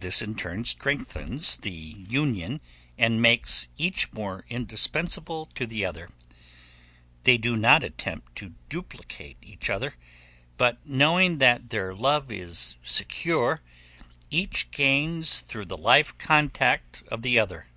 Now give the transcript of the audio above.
This in turn strengthens the union and makes each more indispensable to the other. They do not attempt to duplicate each other, but knowing that their love is secure, each gains through the life contact of the other.